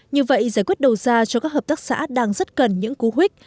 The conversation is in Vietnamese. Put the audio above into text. như vậy giải quyết đầu ra cho các hợp tác xã đang rất cần những cú huyết